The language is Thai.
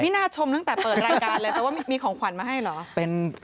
น่าชมตั้งแต่เปิดรายการเลยแปลว่ามีของขวัญมาให้เหรอ